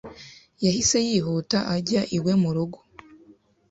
Yahise yihuta ajya iwe mu rugo